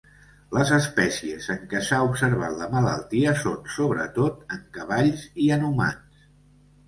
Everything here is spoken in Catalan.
Les espècies en què s'ha observat la malaltia són, sobretot, en cavalls i en humans.